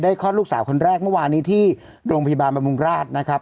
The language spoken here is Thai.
คลอดลูกสาวคนแรกเมื่อวานนี้ที่โรงพยาบาลบำรุงราชนะครับ